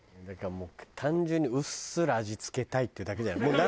だからもう単純にうっすら味付けたいってだけじゃない？